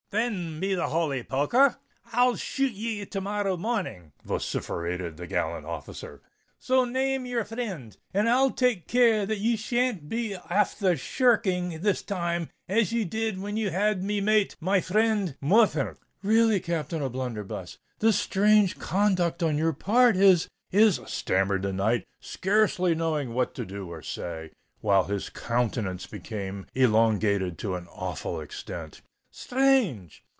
"Then, be the holy poker r! I'll shoot ye to morrow mornin'!" vociferated the gallant officer: "so name your frind; and I'll take care that ye shan't be afther shir r king this time as ye did when ye had to mate my frind Morthaunt." "Really, Captain O'Blunderbuss, this strange conduct on your part—is—is—" stammered the knight, scarcely knowing what to say or do; while his countenance became elongated to an awful extent. "Sthrange!